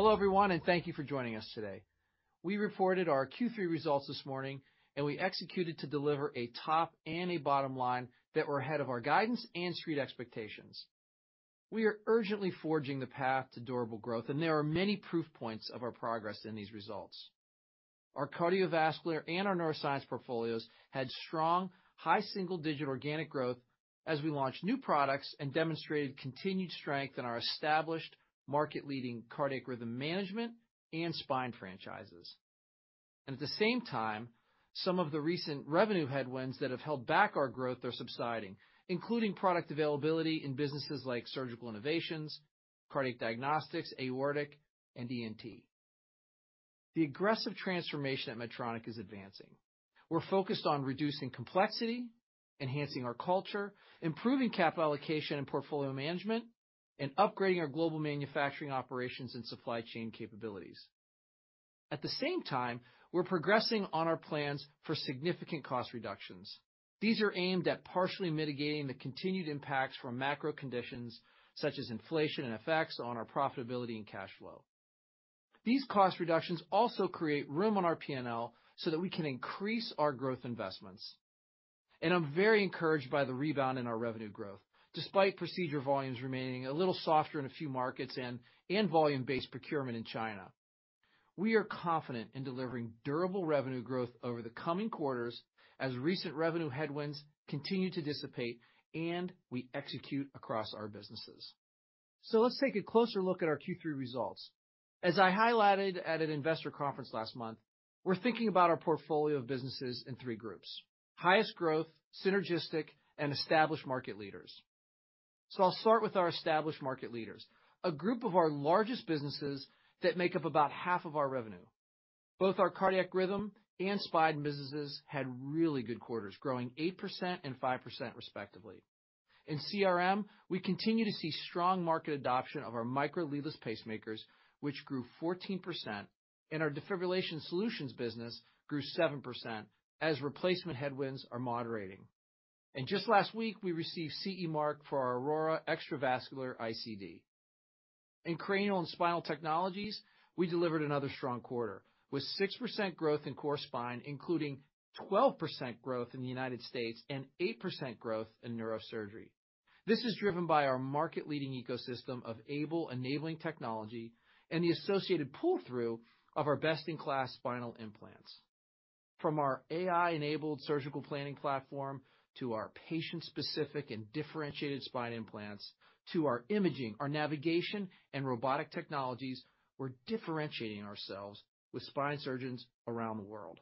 Hello, everyone, and thank you for joining us today. We reported our Q3 results this morning, and we executed to deliver a top and a bottom line that were ahead of our guidance and street expectations. We are urgently forging the path to durable growth, and there are many proof points of our progress in these results. Our Cardiovascular and our Neuroscience portfolios had strong, high single-digit organic growth as we launched new products and demonstrated continued strength in our established market-leading cardiac rhythm management and spine franchises. At the same time, some of the recent revenue headwinds that have held back our growth are subsiding, including product availability in businesses like Surgical Innovations, cardiac diagnostics, aortic, and ENT. The aggressive transformation at Medtronic is advancing. We're focused on reducing complexity, enhancing our culture, improving capital allocation and portfolio management, and upgrading our global manufacturing operations and supply chain capabilities. At the same time, we're progressing on our plans for significant cost reductions. These are aimed at partially mitigating the continued impacts from macro conditions such as inflation and effects on our profitability and cash flow. These cost reductions also create room on our P&L so that we can increase our growth investments. I'm very encouraged by the rebound in our revenue growth, despite procedure volumes remaining a little softer in a few markets and volume-based procurement in China. Let's take a closer look at our Q3 results. As I highlighted at an investor conference last month, we're thinking about our portfolio of businesses in three groups: highest growth, synergistic, and established market leaders. I'll start with our established market leaders, a group of our largest businesses that make up about half of our revenue. Both our cardiac rhythm and spine businesses had really good quarters, growing 8% and 5% respectively. In CRM, we continue to see strong market adoption of our Micra leadless pacemakers, which grew 14%, and our defibrillation solutions business grew 7% as replacement headwinds are moderating. Just last week, we received CE mark for our Aurora extravascular ICD. In cranial and spinal technologies, we delivered another strong quarter, with 6% growth in core spine, including 12% growth in the United and 8% growth in neurosurgery. This is driven by our market-leading ecosystem of AiBLE-enabling technology and the associated pull-through of our best-in-class spinal implants. From our AI-enabled surgical planning platform to our patient-specific and differentiated spine implants to our imaging, our navigation, and robotic technologies, we're differentiating ourselves with spine surgeons around the world.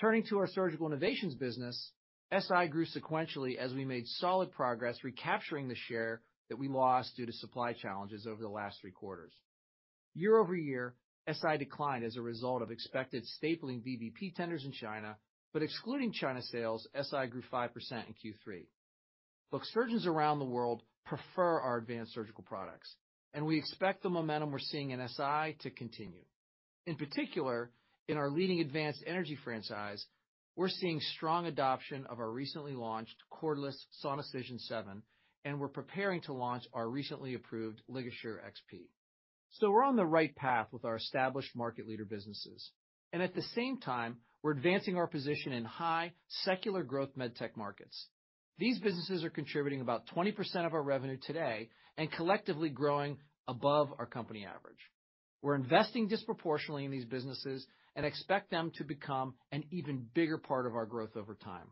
Turning to our surgical innovations business, SI grew sequentially as we made solid progress recapturing the share that we lost due to supply challenges over the last three quarters. Year-over-year, SI declined as a result of expected stapling VBP tenders in China, but excluding China sales, SI grew 5% in Q3. Look, surgeons around the world prefer our advanced surgical products, we expect the momentum we're seeing in SI to continue. In particular, in our leading advanced energy franchise, we're seeing strong adoption of our recently launched cordless Sonicision 7, and we're preparing to launch our recently approved LigaSure XP. We're on the right path with our established market leader businesses. At the same time, we're advancing our position in high secular growth med tech markets. These businesses are contributing about 20% of our revenue today and collectively growing above our company average. We're investing disproportionately in these businesses and expect them to become an even bigger part of our growth over time.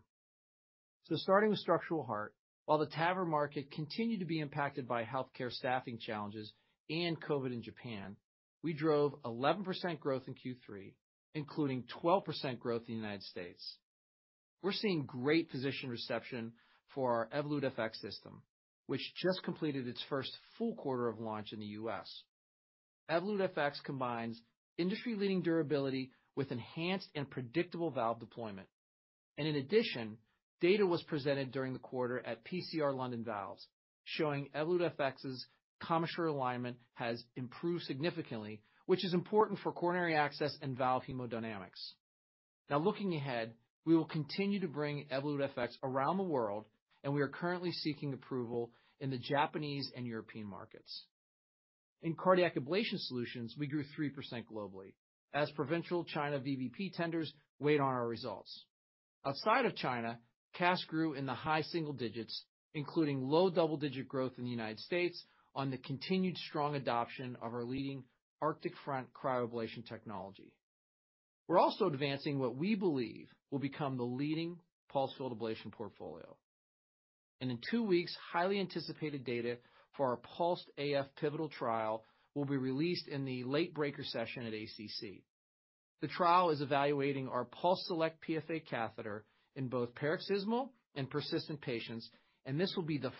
Starting with structural heart, while the TAVR market continued to be impacted by healthcare staffing challenges and COVID in Japan, we drove 11% growth in Q3, including 12% growth in the United States. We're seeing great physician reception for our Evolut FX system, which just completed its first full quarter of launch in the U.S. Evolut FX combines industry-leading durability with enhanced and predictable valve deployment. In addition, data was presented during the quarter at PCR London Valves, showing Evolut FX's commissural alignment has improved significantly, which is important for coronary access and valve hemodynamics. Now looking ahead, we will continue to bring Evolut FX around the world, and we are currently seeking approval in the Japanese and European markets. In cardiac ablation solutions, we grew 3% globally as provincial China VBP tenders weighed on our results. Outside of China, CAS grew in the high single digits, including low double-digit growth in the United States on the continued strong adoption of our leading Arctic Front cryoablation technology. We're also advancing what we believe will become the leading pulsed field ablation portfolio. In two weeks, highly anticipated data for our PULSED AF pivotal trial will be released in the late-breaker session at ACC. The trial is evaluating our PulseSelect PFA catheter in both paroxysmal and persistent patients. This will be the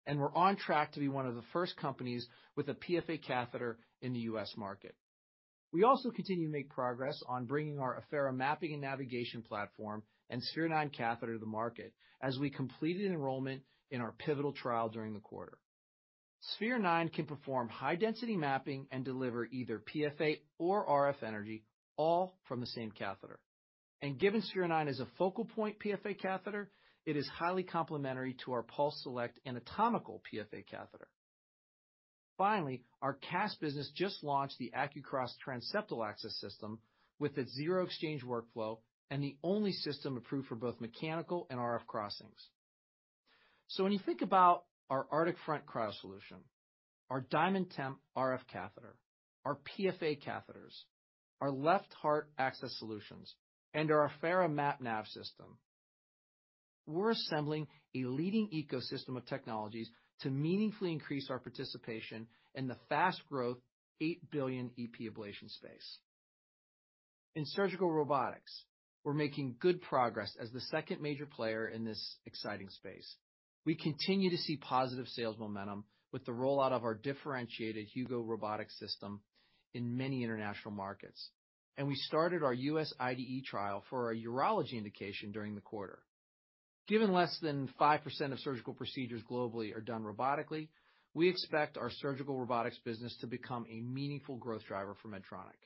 first results from an IDE trial in the PFA space. We're on track to be one of the first companies with a PFA catheter in the U.S. market. We also continue to make progress on bringing our Affera mapping and navigation platform and Sphere-9 catheter to the market as we completed enrollment in our pivotal trial during the quarter. Sphere-9 can perform high density mapping and deliver either PFA or RF energy, all from the same catheter. Given Sphere-9 is a focal point PFA catheter, it is highly complementary to our PulseSelect anatomical PFA catheter. Our CAS business just launched the AcQCross transseptal access system with a zero exchange workflow and the only system approved for both mechanical and RF crossings. When you think about our Arctic Front cryo solution, our DiamondTemp RF catheter, our PFA catheters, our left heart access solutions, and our Affera map nav system, we're assembling a leading ecosystem of technologies to meaningfully increase our participation in the fast growth $8 billion EP ablation space. In surgical robotics, we're making good progress as the second major player in this exciting space. We continue to see positive sales momentum with the rollout of our differentiated Hugo robotic system in many international markets. We started our U.S. IDE trial for our urology indication during the quarter. Given less than 5% of surgical procedures globally are done robotically, we expect our surgical robotics business to become a meaningful growth driver for Medtronic.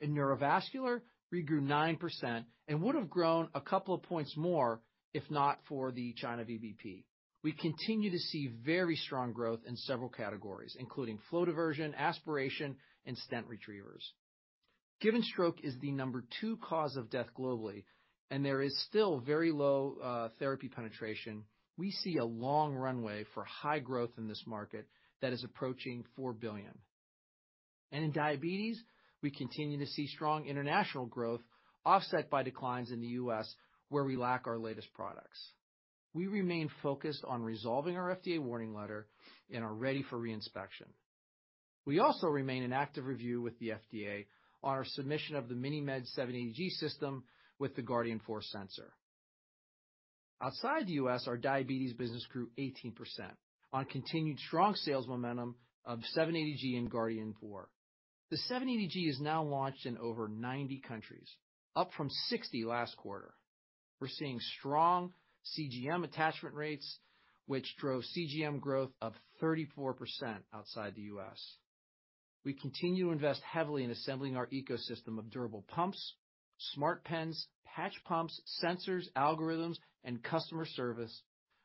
In neurovascular, we grew 9% and would have grown a couple of points more if not for the China VBP. We continue to see very strong growth in several categories, including flow diversion, aspiration, and stent retrievers. Given stroke is the number two cause of death globally, and there is still very low therapy penetration, we see a long runway for high growth in this market that is approaching $4 billion. In diabetes, we continue to see strong international growth offset by declines in the U.S., where we lack our latest products. We remain focused on resolving our FDA warning letter and are ready for re-inspection. We also remain in active review with the FDA on our submission of the MiniMed 780G system with the Guardian 4 sensor. Outside the US, our diabetes business grew 18% on continued strong sales momentum of 780G and Guardian 4. The 780G is now launched in over 90 countries, up from 60 last quarter. We're seeing strong CGM attachment rates, which drove CGM growth of 34% outside the US. We continue to invest heavily in assembling our ecosystem of durable pumps, smart pens, patch pumps, sensors, algorithms, and customer service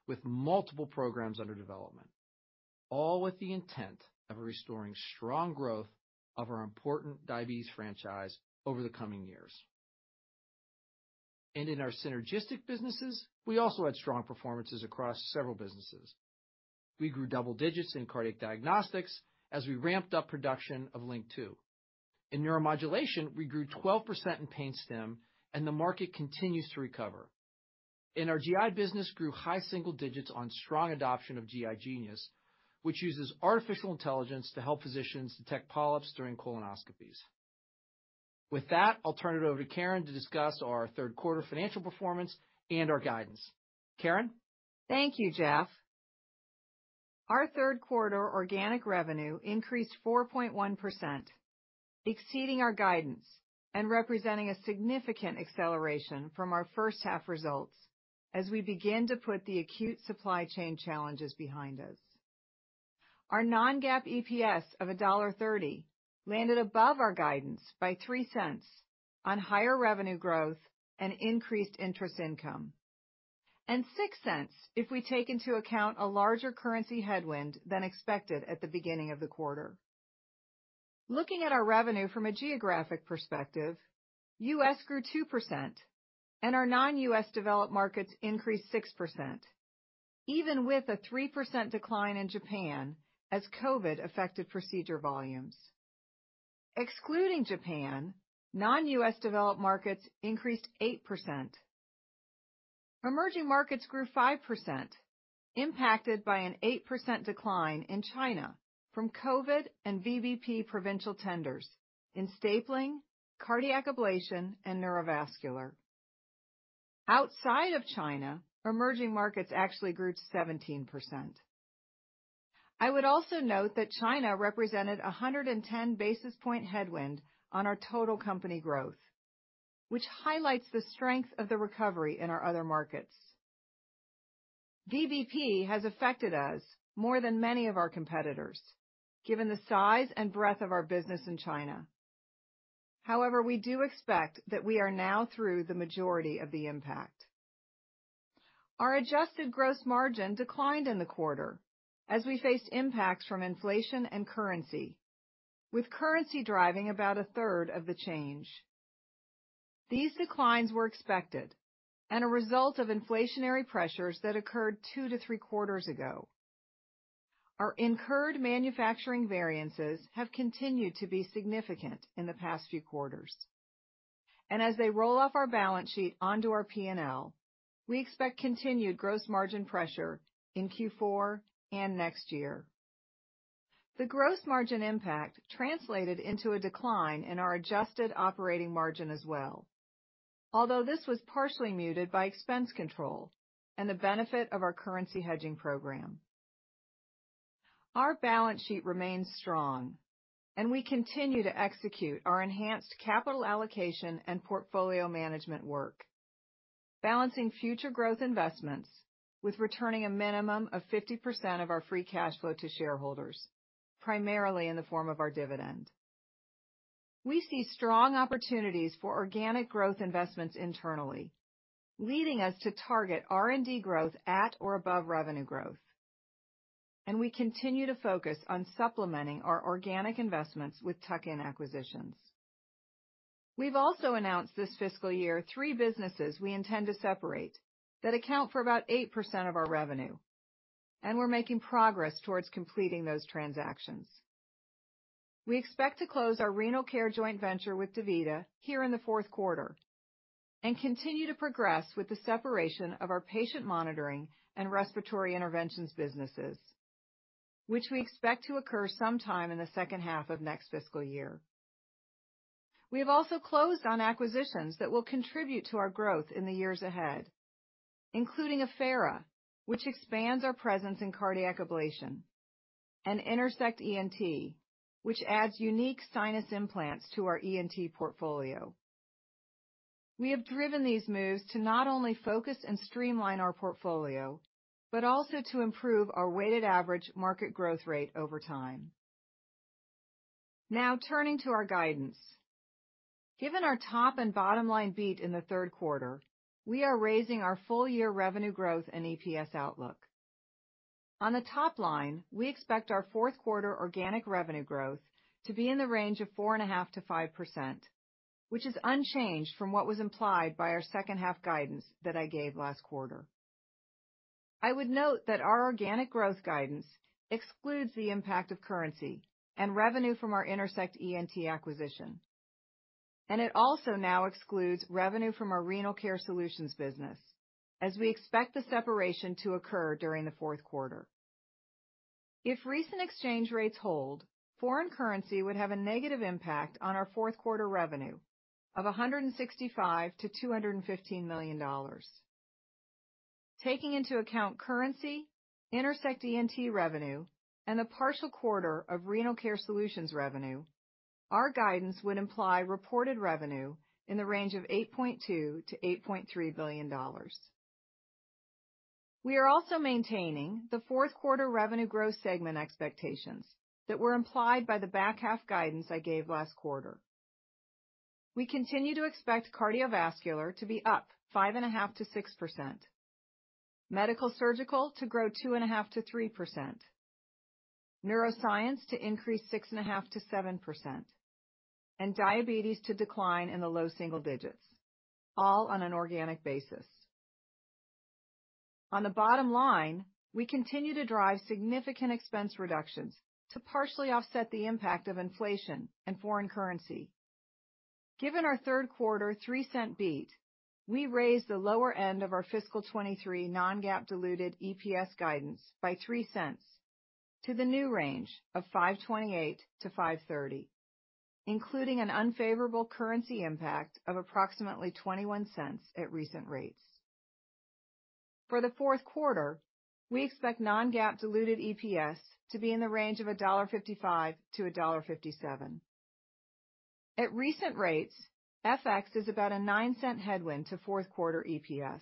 with multiple programs under development, all with the intent of restoring strong growth of our important diabetes franchise over the coming years. In our synergistic businesses, we also had strong performances across several businesses. We grew double digits in cardiac diagnostics as we ramped up production of LINQ II. In neuromodulation, we grew 12% in pain stim. The market continues to recover. Our GI business grew high single digits on strong adoption of GI Genius, which uses artificial intelligence to help physicians detect polyps during colonoscopies. With that, I'll turn it over to Karen to discuss our third quarter financial performance and our guidance. Karen. Thank you, Geoff. Our third quarter organic revenue increased 4.1%, exceeding our guidance and representing a significant acceleration from our first half results as we begin to put the acute supply chain challenges behind us. Our non-GAAP EPS of $1.30 landed above our guidance by $0.03 on higher revenue growth and increased interest income, and $0.06 if we take into account a larger currency headwind than expected at the beginning of the quarter. Looking at our revenue from a geographic perspective, U.S. grew 2% and our non-U.S. developed markets increased 6%, even with a 3% decline in Japan as COVID affected procedure volumes. Excluding Japan, non-U.S. developed markets increased 8%. Emerging markets grew 5%, impacted by an 8% decline in China from COVID and VBP provincial tenders in stapling, cardiac ablation, and neurovascular. Outside of China, emerging markets actually grew 17%. I would also note that China represented 110 basis point headwind on our total company growth, which highlights the strength of the recovery in our other markets. VBP has affected us more than many of our competitors, given the size and breadth of our business in China. We do expect that we are now through the majority of the impact. Our adjusted gross margin declined in the quarter as we faced impacts from inflation and currency, with currency driving about a third of the change. These declines were expected and a result of inflationary pressures that occurred two to three quarters ago. Our incurred manufacturing variances have continued to be significant in the past few quarters. As they roll off our balance sheet onto our P&L, we expect continued gross margin pressure in Q4 and next year. The gross margin impact translated into a decline in our adjusted operating margin as well, although this was partially muted by expense control and the benefit of our currency hedging program. Our balance sheet remains strong and we continue to execute our enhanced capital allocation and portfolio management work. Balancing future growth investments with returning a minimum of 50% of our free cash flow to shareholders, primarily in the form of our dividend. We see strong opportunities for organic growth investments internally, leading us to target R&D growth at or above revenue growth. We continue to focus on supplementing our organic investments with tuck-in acquisitions. We've also announced this fiscal year three businesses we intend to separate that account for about 8% of our revenue. We're making progress towards completing those transactions. We expect to close our renal care joint venture with DaVita here in the fourth quarter and continue to progress with the separation of our patient monitoring and respiratory interventions businesses, which we expect to occur sometime in the second half of next fiscal year. We have also closed on acquisitions that will contribute to our growth in the years ahead, including Affera, which expands our presence in cardiac ablation, and Intersect ENT, which adds unique sinus implants to our ENT portfolio. We have driven these moves to not only focus and streamline our portfolio, but also to improve our weighted average market growth rate over time. Turning to our guidance. Given our top and bottom line beat in the third quarter, we are raising our full year revenue growth and EPS outlook. The top line, we expect our fourth quarter organic revenue growth to be in the range of 4.5%-5%, which is unchanged from what was implied by our second half guidance that I gave last quarter. I would note that our organic growth guidance excludes the impact of currency and revenue from our Intersect ENT acquisition, and it also now excludes revenue from our renal care solutions business, as we expect the separation to occur during the fourth quarter. If recent exchange rates hold, foreign currency would have a negative impact on our fourth quarter revenue of $165 million-$215 million. Taking into account currency, Intersect ENT revenue, and the partial quarter of renal care solutions revenue, our guidance would imply reported revenue in the range of $8.2 billion-$8.3 billion. We are also maintaining the fourth quarter revenue growth segment expectations that were implied by the back half guidance I gave last quarter. We continue to expect cardiovascular to be up 5.5%-6%, medical surgical to grow 2.5%-3%, neuroscience to increase 6.5%-7%, and diabetes to decline in the low single digits, all on an organic basis. On the bottom line, we continue to drive significant expense reductions to partially offset the impact of inflation and foreign currency. Given our third quarter $0.03 beat, we raised the lower end of our fiscal 2023 non-GAAP diluted EPS guidance by $0.03 to the new range of $5.28-$5.30, including an unfavorable currency impact of approximately $0.21 at recent rates. For the fourth quarter, we expect non-GAAP diluted EPS to be in the range of $1.55-$1.57. At recent rates, FX is about a $0.09 headwind to fourth quarter EPS.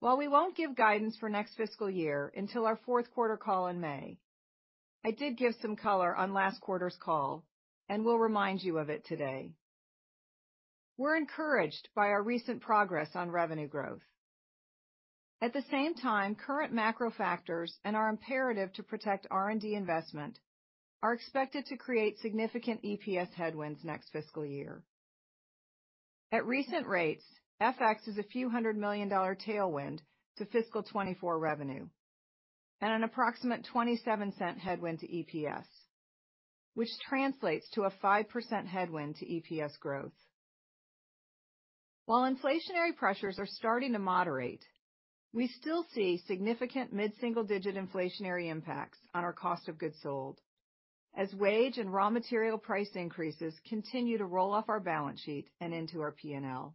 While we won't give guidance for next fiscal year until our fourth quarter call in May, I did give some color on last quarter's call and will remind you of it today. We're encouraged by our recent progress on revenue growth. At the same time, current macro factors and our imperative to protect R&D investment are expected to create significant EPS headwinds next fiscal year. At recent rates, FX is a few hundred million dollar tailwind to fiscal 2024 revenue and an approximate $0.27 headwind to EPS, which translates to a 5% headwind to EPS growth. While inflationary pressures are starting to moderate, we still see significant mid-single digit inflationary impacts on our cost of goods sold as wage and raw material price increases continue to roll off our balance sheet and into our P&L.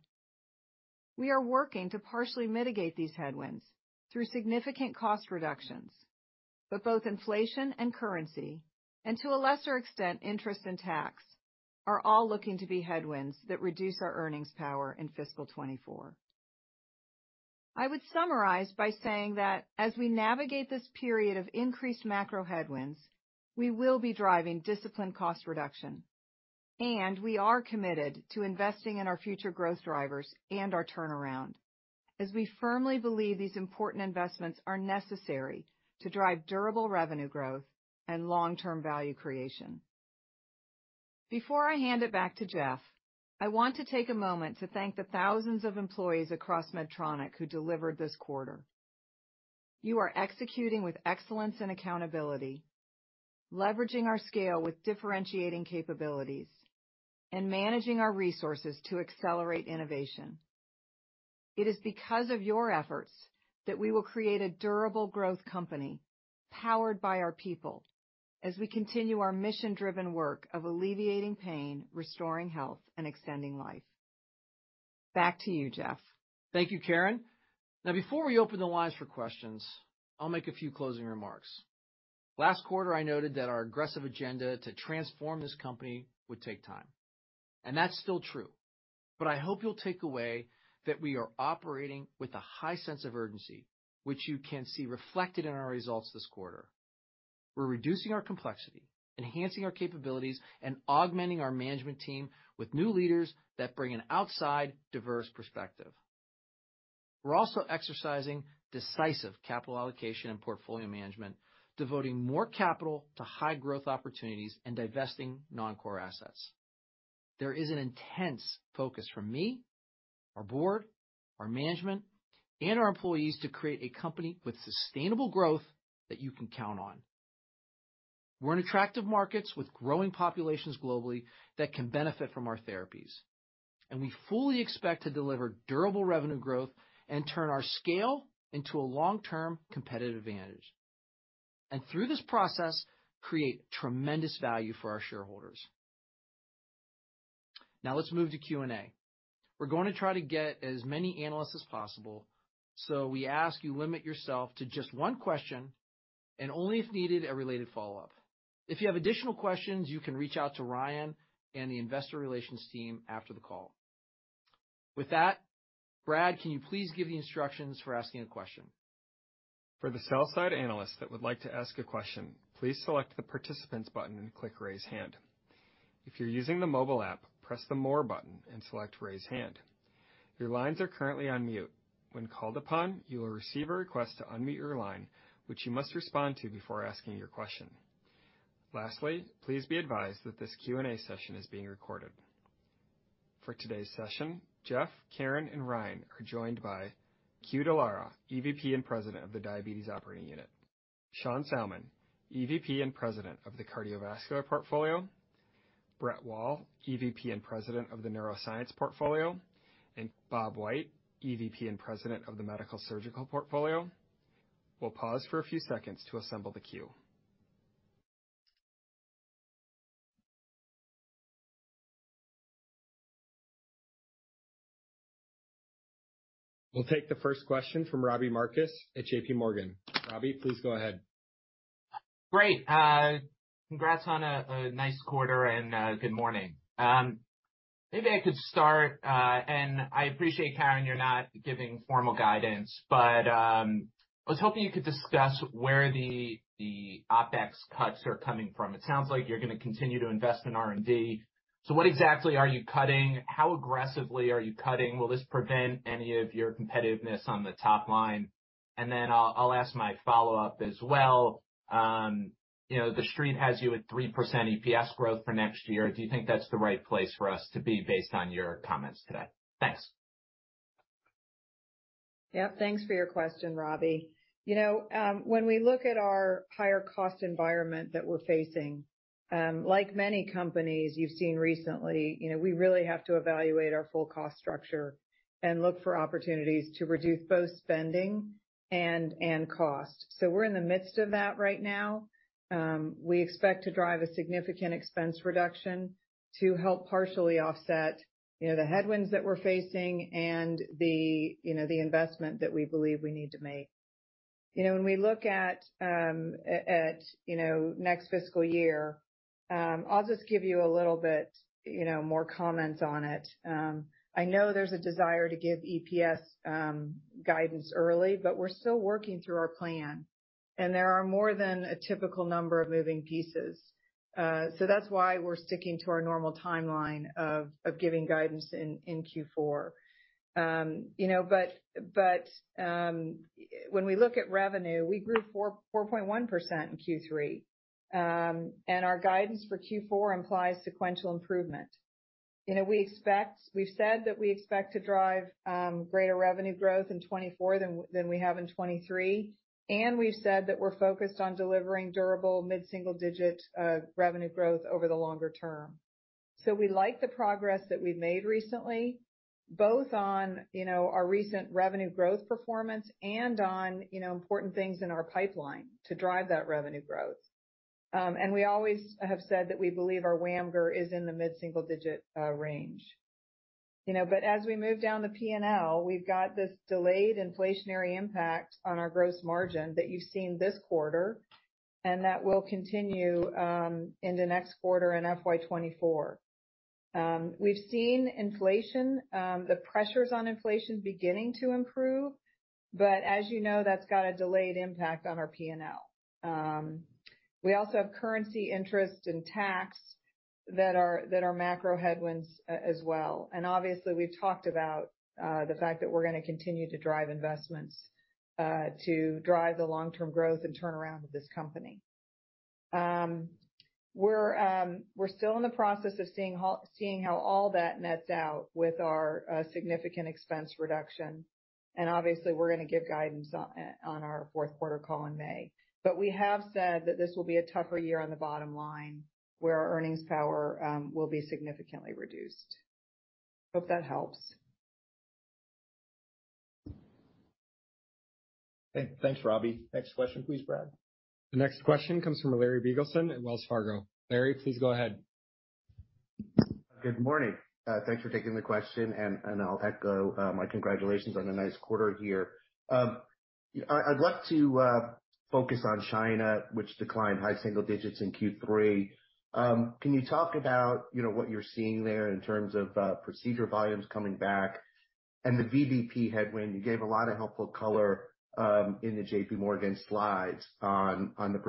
Both inflation and currency, and to a lesser extent interest and tax, are all looking to be headwinds that reduce our earnings power in fiscal 2024 I would summarize by saying that as we navigate this period of increased macro headwinds, we will be driving disciplined cost reduction, and we are committed to investing in our future growth drivers and our turnaround, as we firmly believe these important investments are necessary to drive durable revenue growth and long-term value creation. Before I hand it back to Geoff, I want to take a moment to thank the thousands of employees across Medtronic who delivered this quarter. You are executing with excellence and accountability, leveraging our scale with differentiating capabilities and managing our resources to accelerate innovation. It is because of your efforts that we will create a durable growth company powered by our people as we continue our mission-driven work of alleviating pain, restoring health, and extending life. Back to you, Geoff. Thank you, Karen. Before we open the lines for questions, I'll make a few closing remarks. Last quarter, I noted that our aggressive agenda to transform this company would take time. That's still true. I hope you'll take away that we are operating with a high sense of urgency, which you can see reflected in our results this quarter. We're reducing our complexity, enhancing our capabilities, and augmenting our management team with new leaders that bring an outside diverse perspective. We're also exercising decisive capital allocation and portfolio management, devoting more capital to high growth opportunities and divesting non-core assets. There is an intense focus from me, our board, our management, and our employees to create a company with sustainable growth that you can count on. We're in attractive markets with growing populations globally that can benefit from our therapies, and we fully expect to deliver durable revenue growth and turn our scale into a long-term competitive advantage. Through this process, create tremendous value for our shareholders. Let's move to Q&A. We're going to try to get as many analysts as possible, so we ask you limit yourself to just one question and only if needed, a related follow-up. If you have additional questions, you can reach out to Ryan and the investor relations team after the call. With that, Brad, can you please give the instructions for asking a question? For the sell-side analysts that would like to ask a question, please select the Participants button and click Raise Hand. If you're using the mobile app, press the More button and select Raise Hand. Your lines are currently on mute. When called upon, you will receive a request to unmute your line, which you must respond to before asking your question. Lastly, please be advised that this Q&A session is being recorded. For today's session, Geoff, Karen, and Ryan are joined by Que Dallara, EVP and President of the Diabetes Operating Unit, Sean Salmon, EVP and President of the Cardiovascular Portfolio, Brett Wall, EVP and President of the Neuroscience Portfolio, and Bob White, EVP and President of the Medical Surgical Portfolio. We'll pause for a few seconds to assemble the queue. We'll take the first question from Robbie Marcus at JPMorgan. Robbie, please go ahead. Great. Congrats on a nice quarter and good morning. Maybe I could start. I appreciate, Karen, you're not giving formal guidance, but I was hoping you could discuss where the OpEx cuts are coming from. It sounds like you're gonna continue to invest in R&D. What exactly are you cutting? How aggressively are you cutting? Will this prevent any of your competitiveness on the top line? Then I'll ask my follow-up as well. You know, the street has you at 3% EPS growth for next year. Do you think that's the right place for us to be based on your comments today? Thanks. Yeah, thanks for your question, Robbie. You know, when we look at our higher cost environment that we're facing, like many companies you've seen recently, you know, we really have to evaluate our full cost structure and look for opportunities to reduce both spending and cost. We're in the midst of that right now. We expect to drive a significant expense reduction to help partially offset the headwinds that we're facing and the investment that we believe we need to make. You know, when we look at next fiscal year, I'll just give you a little bit more comments on it. I know there's a desire to give EPS guidance early, but we're still working through our plan, and there are more than a typical number of moving pieces. That's why we're sticking to our normal timeline of giving guidance in Q4. You know, but, when we look at revenue, we grew 4.1% in Q3. Our guidance for Q4 implies sequential improvement. You know, we've said that we expect to drive greater revenue growth in 2024 than we have in 2023, and we've said that we're focused on delivering durable mid-single digit revenue growth over the longer term. We like the progress that we've made recently, both on, you know, our recent revenue growth performance and on, you know, important things in our pipeline to drive that revenue growth. We always have said that we believe our WAMGR is in the mid-single digit range. You know, as we move down the P&L, we've got this delayed inflationary impact on our gross margin that you've seen this quarter and that will continue into next quarter and FY 2024. We've seen inflation, the pressures on inflation beginning to improve, as you know, that's got a delayed impact on our P&L. We also have currency interest and tax that are macro headwinds as well. Obviously, we've talked about the fact that we're gonna continue to drive investments to drive the long-term growth and turnaround of this company. We're still in the process of seeing how all that nets out with our significant expense reduction, obviously, we're gonna give guidance on our fourth quarter call in May. We have said that this will be a tougher year on the bottom line, where our earnings power will be significantly reduced. Hope that helps. Okay. Thanks, Robbie. Next question, please, Brad. The next question comes from Larry Biegelsen at Wells Fargo. Larry, please go ahead. Good morning. Thanks for taking the question, and I'll echo my congratulations on a nice quarter here. I'd like to focus on China, which declined high single digits in Q3. Can you talk about, you know, what you're seeing there in terms of procedure volumes coming back and the VBP headwind? You gave a lot of helpful color in the JPMorgan slides on the %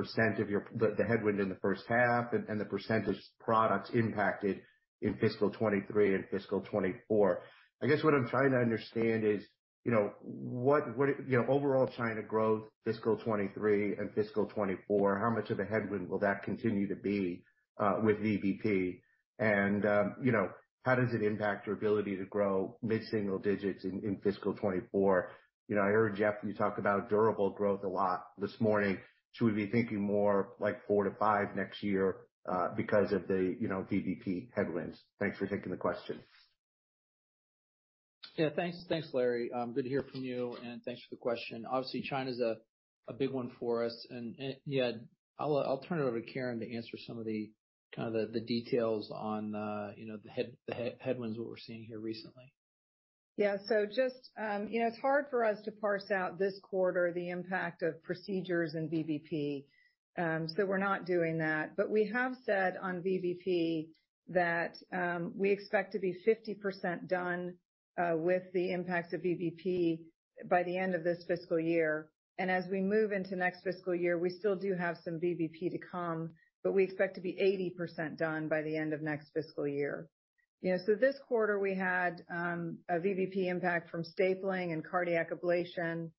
of the headwind in the first half and the % of products impacted in fiscal 2023 and fiscal 2024. I guess what I'm trying to understand is, you know, what it. You know, overall China growth, fiscal 2023 and fiscal 2024, how much of a headwind will that continue to be with VBP? You know, how does it impact your ability to grow mid-single digits in fiscal 2024? You know, I heard, Geoff, you talk about durable growth a lot this morning. Should we be thinking more like 4%-5% next year, because of the, you know, VBP headwinds? Thanks for taking the question. Yeah, thanks. Thanks, Larry. Good to hear from you, and thanks for the question. Obviously, China's a big one for us. Yeah, I'll turn it over to Karen to answer some of the kind of the headwinds, what we're seeing here recently. Yeah. Just, you know, it's hard for us to parse out this quarter the impact of procedures and VBP. We're not doing that. We have said on VBP that we expect to be 50% done with the impacts of VBP by the end of this fiscal year. As we move into next fiscal year, we still do have some VBP to come, but we expect to be 80% done by the end of next fiscal year. You know, this quarter we had a VBP impact from stapling and cardiac ablation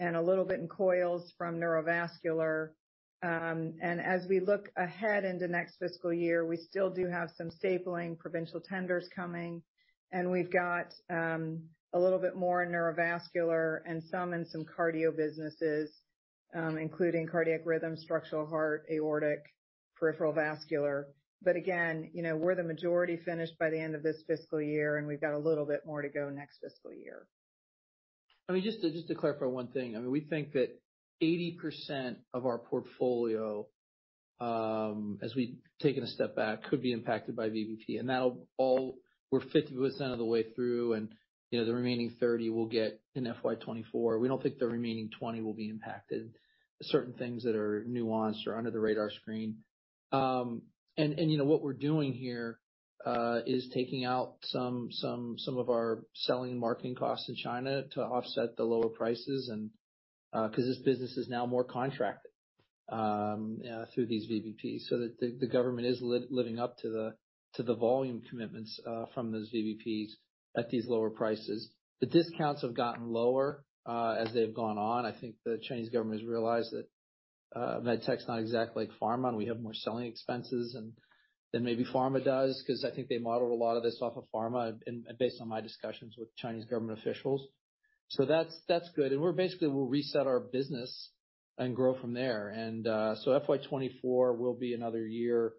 and a little bit in coils from neurovascular. As we look ahead into next fiscal year, we still do have some stapling provincial tenders coming, and we've got a little bit more neurovascular and some cardio businesses, including cardiac rhythm, structural heart, aortic, peripheral vascular. Again, you know, we're the majority finished by the end of this fiscal year, and we've got a little bit more to go next fiscal year. I mean, just to clarify one thing. I mean, we think that 80% of our portfolio, as we've taken a step back, could be impacted by VBP. That'll we're 50% of the way through, and, you know, the remaining 30 we'll get in FY 2024. We don't think the remaining 20 will be impacted. Certain things that are nuanced or under the radar screen. You know, what we're doing here is taking out some of our selling and marketing costs to China to offset the lower prices and 'cause this business is now more contracted through these VBPs so that the government is living up to the volume commitments from those VBPs at these lower prices. The discounts have gotten lower as they've gone on. I think the Chinese government has realized that medtech's not exactly like pharma, and we have more selling expenses than maybe pharma does, 'cause I think they modeled a lot of this off of pharma and based on my discussions with Chinese government officials. That's, that's good. We're basically we'll reset our business and grow from there. FY 2024 will be another year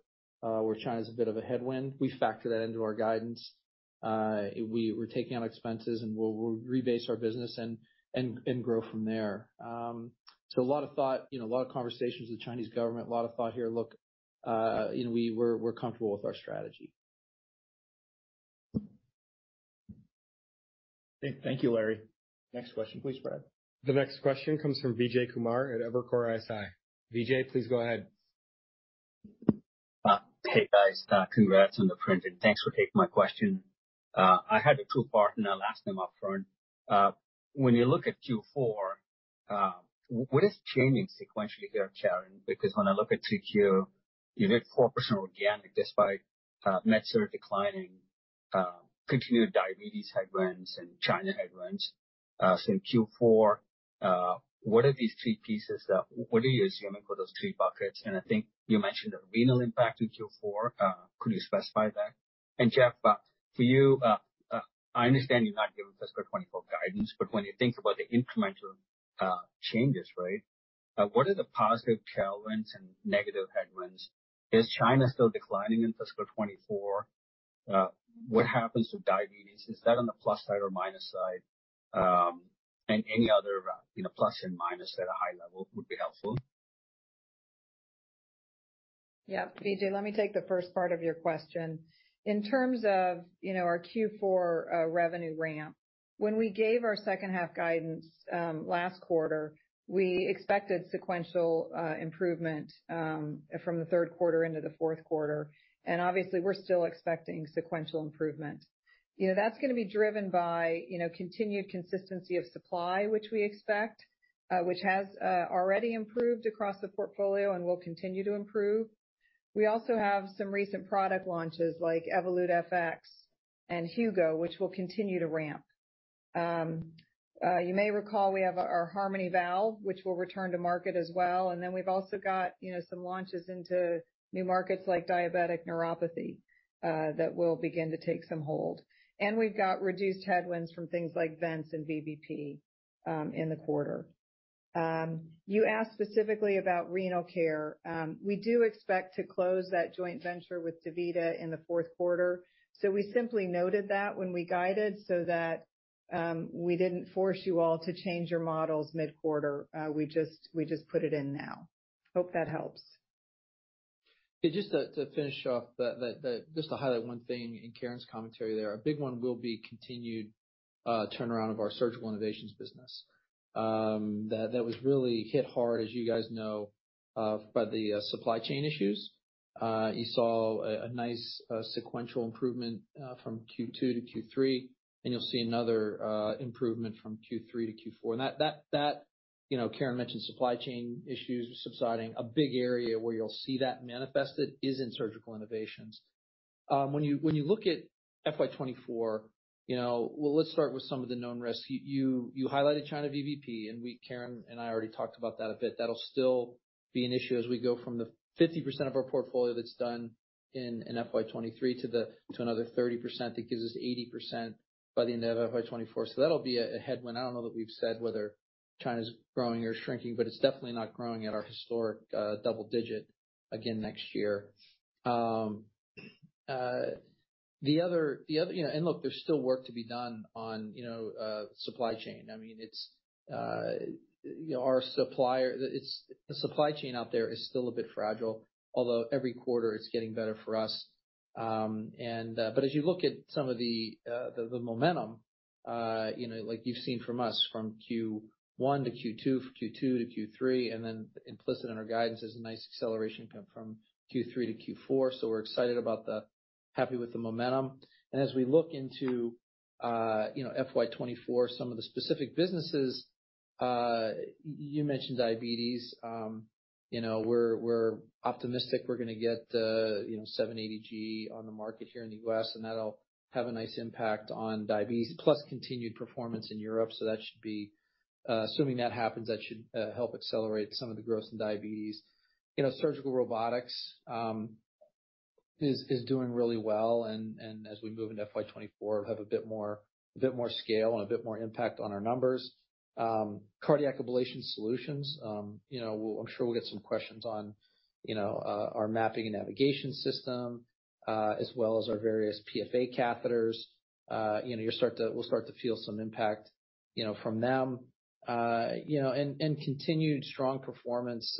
where China's a bit of a headwind. We factor that into our guidance. We're taking on expenses, and we'll rebase our business and grow from there. A lot of thought, you know, a lot of conversations with Chinese government, a lot of thought here. Look, you know, we're comfortable with our strategy. Thank you, Larry. Next question please, Brad. The next question comes from Vijay Kumar at Evercore ISI. Vijay, please go ahead. Hey, guys. Congrats on the print, and thanks for taking my question. I had two-part, and I'll ask them upfront. When you look at Q4, what is changing sequentially here, Karen? When I look at Q3, you did 4% organic despite MedSurg declining, continued diabetes headwinds and China headwinds. In Q4, what are these three pieces? What are you assuming for those three buckets? I think you mentioned a renal impact in Q4. Could you specify that? Geoff, for you, I understand you're not giving fiscal 2024 guidance, but when you think about the incremental changes, right? What are the positive tailwinds and negative headwinds? Is China still declining in fiscal 2024? What happens with diabetes? Is that on the plus side or minus side? Any other, you know, plus and minus at a high level would be helpful. Yeah. Vijay, let me take the first part of your question. In terms of, you know, our Q4 revenue ramp, when we gave our second half guidance, last quarter, we expected sequential improvement from the third quarter into the fourth quarter. Obviously, we're still expecting sequential improvement. You know, that's gonna be driven by, you know, continued consistency of supply, which we expect, which has already improved across the portfolio and will continue to improve. We also have some recent product launches like Evolut FX and Hugo, which will continue to ramp. You may recall we have our Harmony valve, which will return to market as well. We've also got, you know, some launches into new markets like diabetic neuropathy that will begin to take some hold. We've got reduced headwinds from things like vents and VBP in the quarter. You asked specifically about renal care. We do expect to close that joint venture with DaVita in the fourth quarter. We simply noted that when we guided so that we didn't force you all to change your models mid-quarter. We just put it in now. Hope that helps. Okay, just to finish off that. Just to highlight one thing in Karen's commentary there. A big one will be continued turnaround of our Surgical Innovations business. That was really hit hard, as you guys know, by the supply chain issues. You saw a nice sequential improvement from Q2 to Q3, and you'll see another improvement from Q3 to Q4. That, you know, Karen mentioned supply chain issues subsiding. A big area where you'll see that manifested is in Surgical Innovations. When you look at FY 2024, you know, well, let's start with some of the known risks. You highlighted China VBP, and Karen and I already talked about that a bit. That'll still be an issue as we go from the 50% of our portfolio that's done in FY 2023 to another 30% that gives us 80% by the end of FY 2024. That'll be a headwind. I don't know that we've said whether China's growing or shrinking, but it's definitely not growing at our historic double digit again next year. The other. You know, look, there's still work to be done on, you know, supply chain. I mean, it's, you know, The supply chain out there is still a bit fragile, although every quarter it's getting better for us. As you look at some of the momentum, you know, like you've seen from us from Q1 to Q2 to Q3, and then implicit in our guidance is a nice acceleration from Q3 to Q4. We're excited about happy with the momentum. As we look into, you know, FY 2024, some of the specific businesses, you mentioned diabetes, you know, we're optimistic we're gonna get the, you know, 780G on the market here in the U.S., and that'll have a nice impact on diabetes plus continued performance in Europe. That should be, assuming that happens, that should help accelerate some of the growth in diabetes. You know, surgical robotics is doing really well. As we move into FY 2024, have a bit more, a bit more scale and a bit more impact on our numbers. Cardiac ablation solutions, you know, I'm sure we'll get some questions on, you know, our mapping and navigation system, as well as our various PFA catheters. You know, you'll start to feel some impact, you know, from them. You know, and continued strong performance,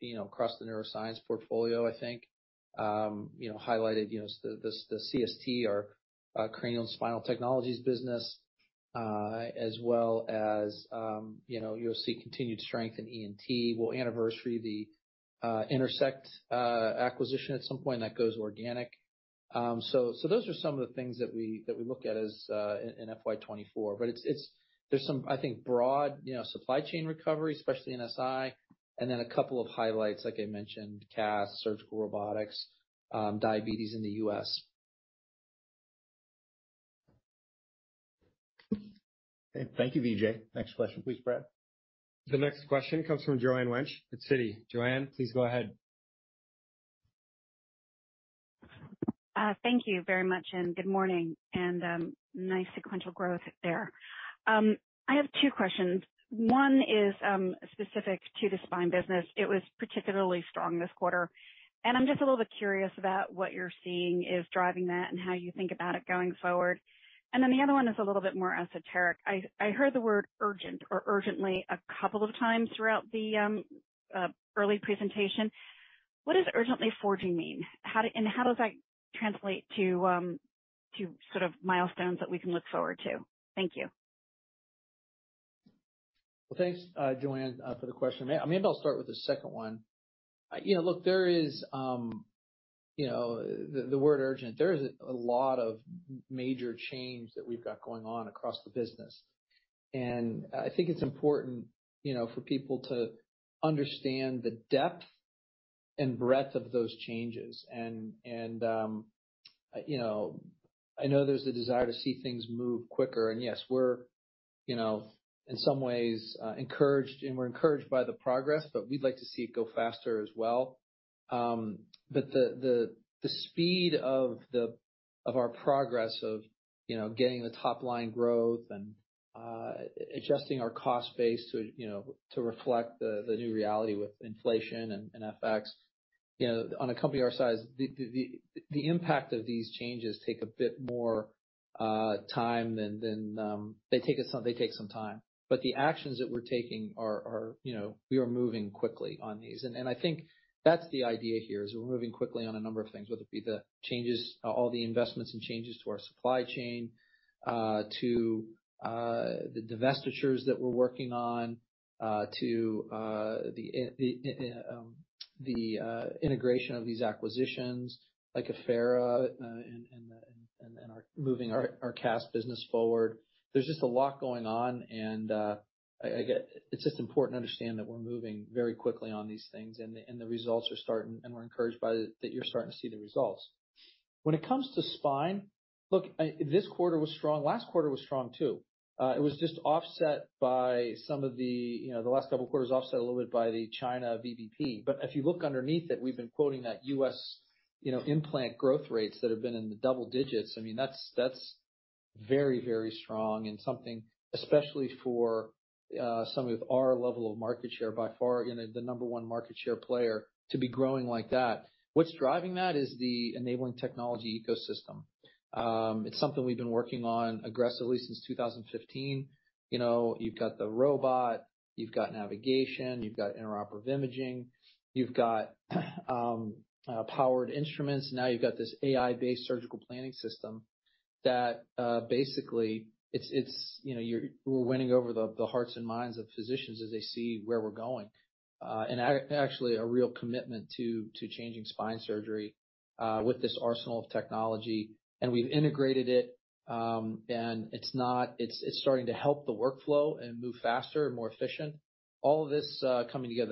you know, across the Neuroscience portfolio, I think. You know, highlighted, you know, the CST or cranial spinal technologies business, as well as, you know, you'll see continued strength in ENT. We'll anniversary the Intersect acquisition at some point, and that goes organic. Those are some of the things that we look at as in FY 2024. There's some, I think, broad, you know, supply chain recovery, especially in SI, and then a couple of highlights, like I mentioned, CAS, surgical robotics, diabetes in the US. Okay. Thank you, Vijay. Next question please, Brad. The next question comes from Joanne Wuensch at Citi. Joanne, please go ahead. Thank you very much, and good morning. Nice sequential growth there. I have two questions. One is specific to the spine business. It was particularly strong this quarter, and I'm just a little bit curious about what you're seeing is driving that and how you think about it going forward. Then the other one is a little bit more esoteric. I heard the word urgent or urgently a couple of times throughout the early presentation. What does urgently forging mean? How does that translate to sort of milestones that we can look forward to? Thank you. Well, thanks, Joanne, for the question. Maybe I'll start with the second one. You know, look, there is, you know, the word urgent. There is a lot of major change that we've got going on across the business. I think it's important, you know, for people to understand the depth and breadth of those changes. I know there's a desire to see things move quicker. Yes, we're, you know, in some ways, encouraged by the progress, but we'd like to see it go faster as well. The speed of our progress of, you know, getting the top-line growth and adjusting our cost base to, you know, to reflect the new reality with inflation and FX, you know, on a company our size, the impact of these changes take a bit more time. They take some time. The actions that we're taking are, you know, we are moving quickly on these. I think that's the idea here, is we're moving quickly on a number of things, whether it be the changes, all the investments and changes to our supply chain, to the divestitures that we're working on, to the integration of these acquisitions like Affera, and moving our cast business forward. There's just a lot going on, and I get it. It's just important to understand that we're moving very quickly on these things, and the results are starting, and we're encouraged by that you're starting to see the results. When it comes to spine, look, this quarter was strong. Last quarter was strong, too. It was just offset by some of the, you know, the last couple of quarters offset a little bit by the China VBP. If you look underneath it, we've been quoting that US, you know, implant growth rates that have been in the double digits. I mean, that's very strong and something especially for somebody with our level of market share by far, you know, the number one market share player to be growing like that. What's driving that is the enabling technology ecosystem. It's something we've been working on aggressively since 2015. You know, you've got the robot, you've got navigation, you've got interoperative imaging, you've got powered instruments. Now you've got this AI-based surgical planning system that basically it's, you know, we're winning over the hearts and minds of physicians as they see where we're going. Actually a real commitment to changing spine surgery with this arsenal of technology. We've integrated it, and it's starting to help the workflow and move faster and more efficient. All of this coming together,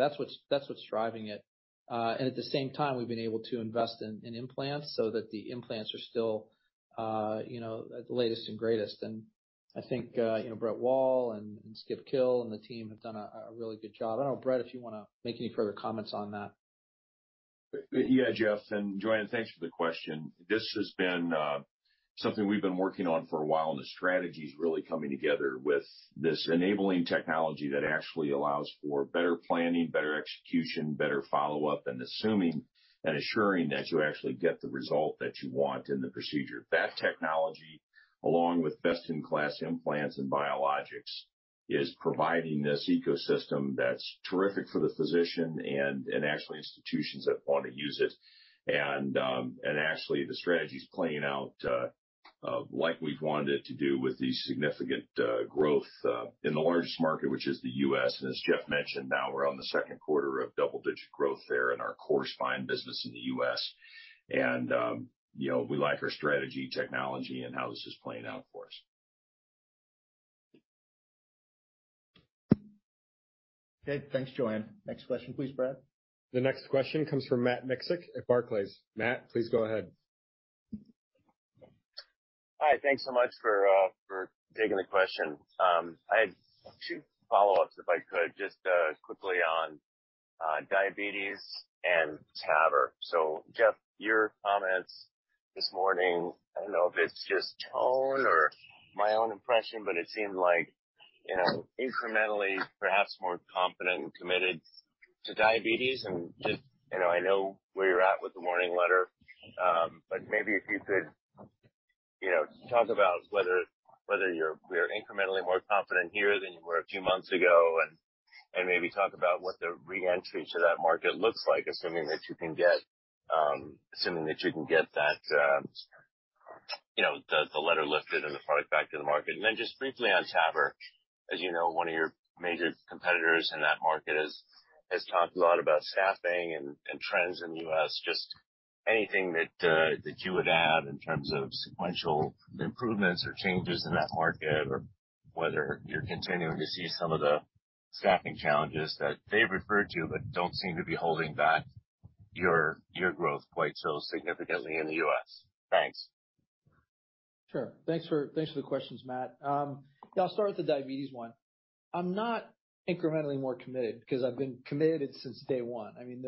that's what's driving it. At the same time, we've been able to invest in implants so that the implants are still, you know, the latest and greatest. I think, you know, Brett Wall and Skip Kiil and the team have done a really good job. I don't know, Brett, if you wanna make any further comments on that. Yeah, Geoff, and Joanne, thanks for the question. This has been something we've been working on for a while, the strategy's really coming together with this enabling technology that actually allows for better planning, better execution, better follow-up, and assuming and assuring that you actually get the result that you want in the procedure. That technology, along with best-in-class implants and biologics, is providing this ecosystem that's terrific for the physician and actually institutions that wanna use it. Actually the strategy's playing out like we've wanted it to do with the significant growth in the largest market, which is the U.S. As Geoff mentioned, now we're on the second quarter of double-digit growth there in our core spine business in the U.S. You know, we like our strategy, technology, and how this is playing out for us. Okay. Thanks, Joanne. Next question, please, Brad. The next question comes from Matt Miksic at Barclays. Matt, please go ahead. Hi. Thanks so much for taking the question. I had two follow-ups, if I could, just quickly on diabetes and TAVR. Geoff, your comments this morning, I don't know if it's just tone or my own impression, but it seemed like, you know, incrementally perhaps more confident and committed to diabetes and just, you know, I know where you're at with the warning letter. But maybe if you could, you know, talk about whether we're incrementally more confident here than you were a few months ago, and maybe talk about what the re-entry to that market looks like, assuming that you can get, assuming that you can get that, you know, the letter lifted and the product back to the market. Then just briefly on TAVR. As you know, one of your major competitors in that market has talked a lot about staffing and trends in the U.S. Just anything that you would add in terms of sequential improvements or changes in that market or whether you're continuing to see some of the staffing challenges that they've referred to but don't seem to be holding back your growth quite so significantly in the U.S. Thanks. Sure. Thanks for the questions, Matt. Yeah, I'll start with the diabetes one. I'm not incrementally more committed because I've been committed since day one. I mean,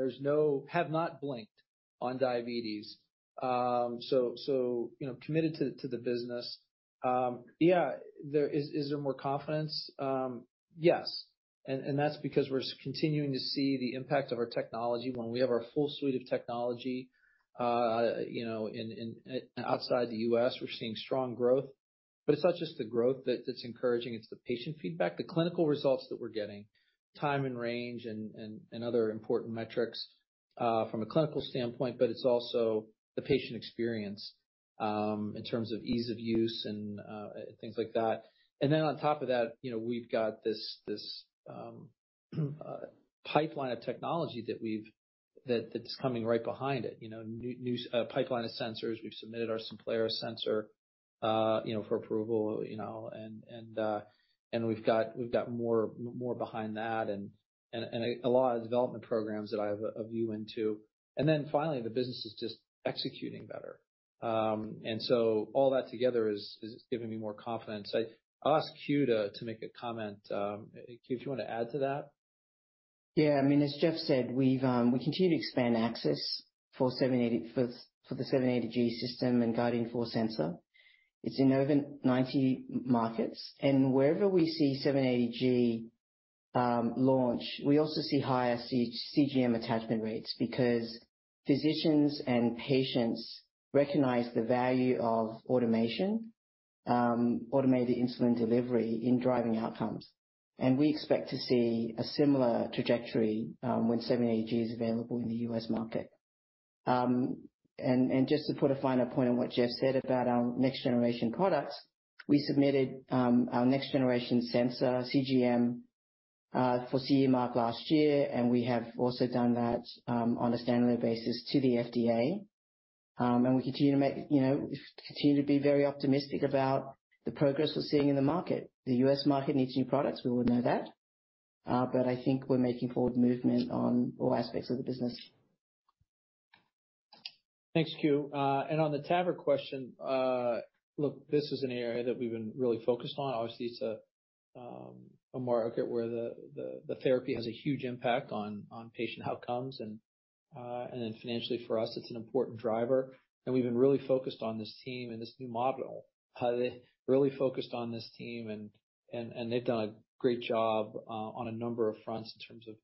have not blinked on diabetes. So, you know, committed to the business. Yeah. Is there more confidence? Yes. That's because we're continuing to see the impact of our technology. When we have our full suite of technology, you know, outside the US, we're seeing strong growth. It's not just the growth that's encouraging, it's the patient feedback, the clinical results that we're getting, time and range and other important metrics from a clinical standpoint, but it's also the patient experience in terms of ease of use and things like that. On top of that, you know, we've got this pipeline of technology that that's coming right behind it. You know, new pipeline of sensors. We've submitted our Simplera sensor, you know, for approval, you know, and we've got more behind that and a lot of development programs that I have a view into. Finally, the business is just executing better. All that together is giving me more confidence. I'll ask you to make a comment. You, if you want to add to that. Yeah. I mean, as Geoff said, we continue to expand access for 780G system and Guardian 4 sensor. It's in over 90 markets. Wherever we see 780G launch, we also see higher CGM attachment rates because physicians and patients recognize the value of automation, automated insulin delivery in driving outcomes. We expect to see a similar trajectory when 780G is available in the U.S. market. Just to put a finer point on what Geoff said about our next generation products, we submitted our next generation sensor CGM for CE mark last year, we have also done that on a standalone basis to the FDA. We continue to make, you know, we continue to be very optimistic about the progress we're seeing in the market. The U.S. market needs new products, we all know that, but I think we're making forward movement on all aspects of the business. Thank you. On the TAVR question, this is an area that we've been really focused on. Obviously, it's a market where the therapy has a huge impact on patient outcomes. Then financially for us, it's an important driver. We've been really focused on this team and this new model. They really focused on this team and they've done a great job on a number of fronts in terms of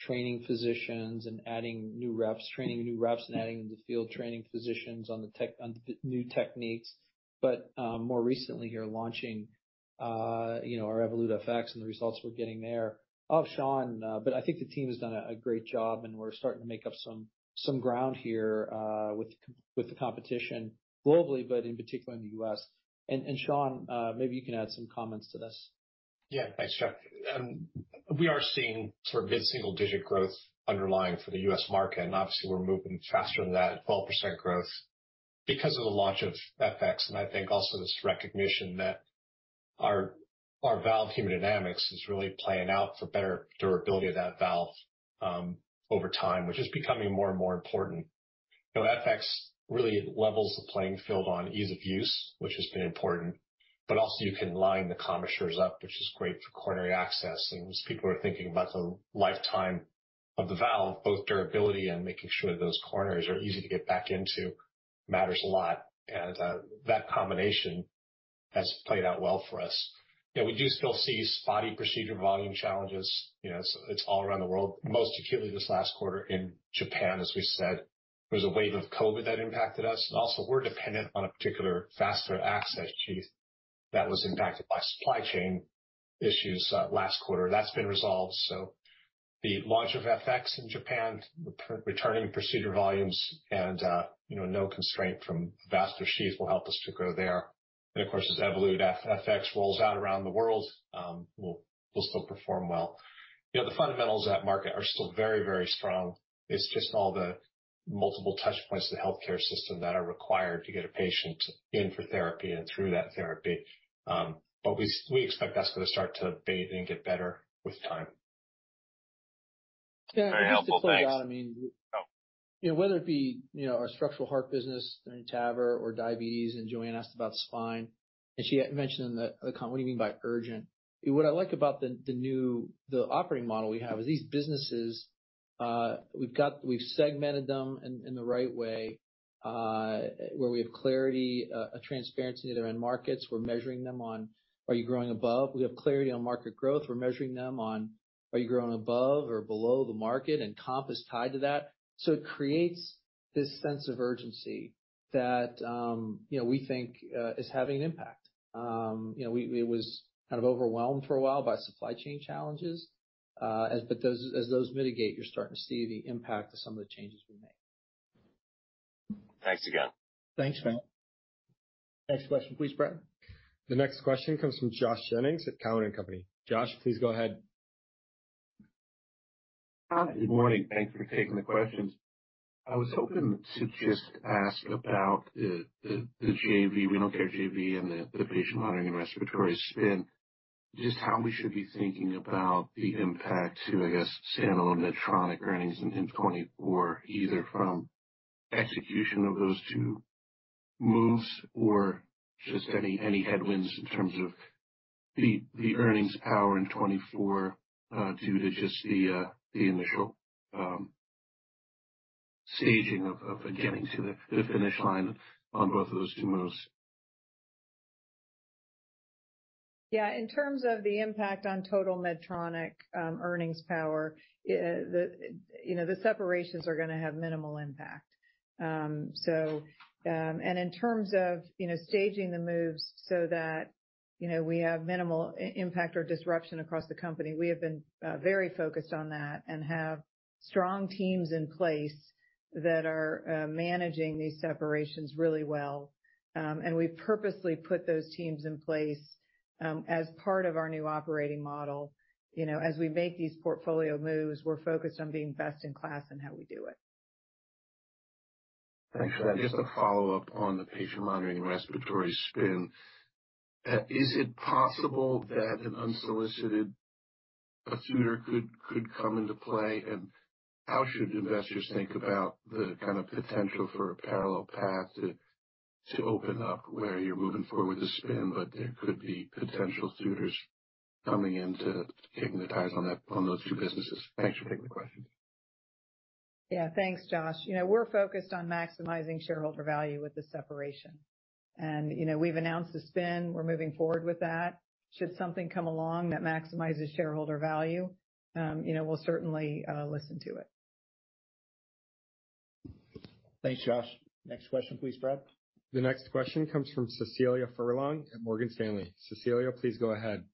training physicians and adding new reps, training new reps, and adding in the field training physicians on the new techniques. More recently here, launching, you know, our Evolut FX and the results we're getting there. Sean. I think the team has done a great job, and we're starting to make up some ground here with the competition globally, but in particular in the US. Sean, maybe you can add some comments to this. Thanks, Geoff. We are seeing sort of mid-single-digit growth underlying for the US market, obviously we're moving faster than that, 12% growth, because of the launch of FX. I think also this recognition that our valve hemodynamics is really playing out for better durability of that valve, over time, which is becoming more and more important. You know, FX really levels the playing field on ease of use, which has been important, but also you can line the commissures up, which is great for coronary access. As people are thinking about the lifetime of the valve, both durability and making sure those coronaries are easy to get back into matters a lot. That combination has played out well for us. We do still see spotty procedure volume challenges. You know, it's all around the world, most acutely this last quarter in Japan, as we said. There was a wave of COVID that impacted us. Also, we're dependent on a particular faster access sheath that was impacted by supply chain issues last quarter. That's been resolved, so the launch of FX in Japan, returning procedure volumes, you know, no constraint from faster sheaths will help us to grow there. Of course, as Evolut FX rolls out around the world, we'll still perform well. You know, the fundamentals of that market are still very, very strong. It's just all the multiple touch points to the healthcare system that are required to get a patient in for therapy and through that therapy. We expect that's gonna start to bathe and get better with time. Yeah. Very helpful. Thanks. I mean- Oh. You know, whether it be, you know, our structural heart business or in TAVR or diabetes. Joanne asked about spine, and she had mentioned, what do you mean by urgent? What I like about the operating model we have is these businesses, we've segmented them in the right way, where we have clarity, a transparency to their end markets. We're measuring them on, are you growing above? We have clarity on market growth. We're measuring them on, are you growing above or below the market? Comp is tied to that. It creates this sense of urgency that, you know, we think is having an impact. You know, we was kind of overwhelmed for a while by supply chain challenges, as those mitigate, you're starting to see the impact of some of the changes we made. Thanks again. Thanks, Matt. Next question, please, Brett. The next question comes from Josh Jennings at Cowen and Company. Josh, please go ahead. Hi. Good morning. Thanks for taking the questions. I was hoping to just ask about the JV, renal care JV and the patient monitoring and respiratory spin. Just how we should be thinking about the impact to, I guess, standalone Medtronic earnings in 2024, either from execution of those two moves or just any headwinds in terms of the earnings power in 2024, due to just the initial staging of getting to the finish line on both of those two moves? Yeah. In terms of the impact on total Medtronic, earnings power, the, you know, the separations are gonna have minimal impact. In terms of, you know, staging the moves so that, you know, we have minimal impact or disruption across the company, we have been very focused on that and have strong teams in place that are managing these separations really well. We've purposely put those teams in place, as part of our new operating model. You know, as we make these portfolio moves, we're focused on being best in class in how we do it. Thanks. Just a follow-up on the patient monitoring and respiratory spin. Is it possible that an unsolicited suitor could come into play? How should investors think about the kind of potential for a parallel path to open up where you're moving forward with the spin, but there could be potential suitors coming in to take their eyes on those two businesses? Thanks for taking the question. Yeah. Thanks, Josh. You know, we're focused on maximizing shareholder value with the separation. You know, we've announced the spin. We're moving forward with that. Should something come along that maximizes shareholder value, you know, we'll certainly listen to it. Thanks, Josh. Next question, please, Brett. The next question comes from Cecilia Furlong at Morgan Stanley. Cecilia, please go ahead.